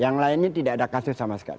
yang lainnya tidak ada kasus sama sekali